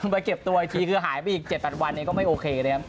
ไปเก็บตัวอีกทีคือหายไปอีก๗๘วันก็ไม่โอเคนะครับ